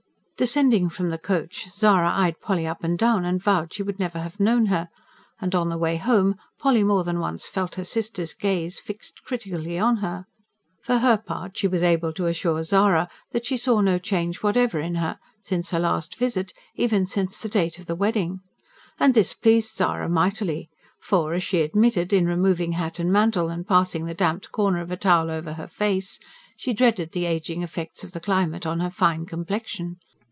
Descending from the coach, Zara eyed Polly up and down and vowed she would never have known her; and, on the way home, Polly more than once felt her sister's gaze fixed critically on her. For her part, she was able to assure Zara that she saw no change whatever in her, since her last visit even since the date of the wedding. And this pleased Zara mightily; for as she admitted, in removing hat and mantle, and passing the damped corner of a towel over her face, she dreaded the ageing effects of the climate on her fine complexion.